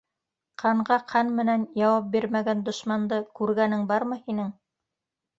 Ҡанға ҡан менән яуап бирмәгән дошманды күргәнең бармы һинең?!